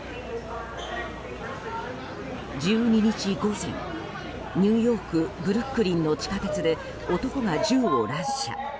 １２日午前、ニューヨークブルックリンの地下鉄で男が銃を乱射。